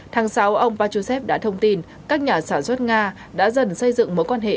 tháng sáu ông pachusev đã thông tin các nhà sản xuất nga đã dần xây dựng mối quan hệ